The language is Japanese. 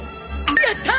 やった！